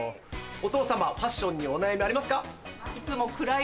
お父様ファッションにお悩みありますか？